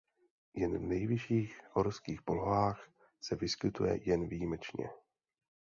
Jen v nejvyšších horských polohách se vyskytuje jen výjimečně.